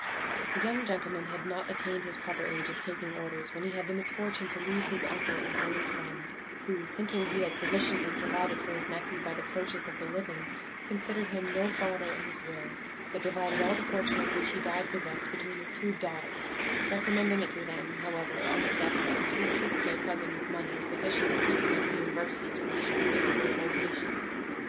"The young gentleman had not attained his proper age of taking orders when he had the misfortune to lose his uncle and only friend, who, thinking he had sufficiently provided for his nephew by the purchase of the living, considered him no farther in his will, but divided all the fortune of which he died possessed between his two daughters; recommending it to them, however, on his deathbed, to assist their cousin with money sufficient to keep him at the university till he should be capable of ordination.